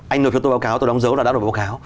anh nộp cho tôi báo cáo tôi đóng dấu là đã nộp báo cáo